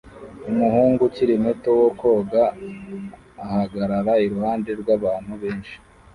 Umuhungu ukiri muto wo koga ahagarara iruhande rwabantu benshi